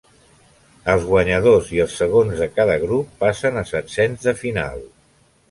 Els guanyadors i els segons de cada grup passen a setzens de final.